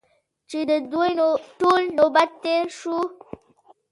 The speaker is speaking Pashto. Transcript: چې د دوی ټولو نوبت تېر شو.